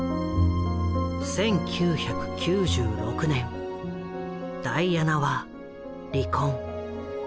１９９６年ダイアナは離婚。